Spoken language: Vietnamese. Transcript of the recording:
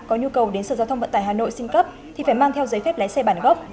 có nhu cầu đến sở giao thông vận tải hà nội xin cấp thì phải mang theo giấy phép lái xe bản gốc